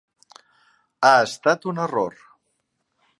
Ha estat un error.